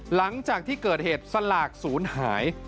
หลังจากที่เกิดเหตุสลากศูนย์หาย